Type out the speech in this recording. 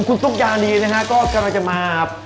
คุณตุ๊กยานีนะฮะก็กำลังจะมา